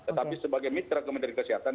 tetapi sebagai mitra kementerian kesehatan